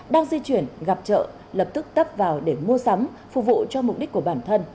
đang di chuyển gặp chợ lập tức tấp vào để mua sắm phục vụ cho mục đích của bản thân